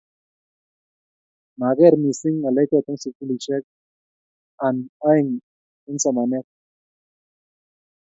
mageer missing ngalechoto sugulishek an aeng eng somanet